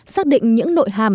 xác định những nội hàm